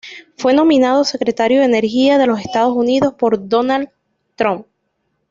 Fue nominado Secretario de Energía de los Estados Unidos por Donald J. Trump.